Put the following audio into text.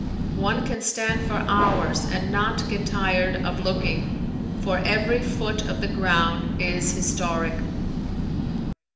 One can stand for hours and not get tired of looking for every foot of the ground is historic.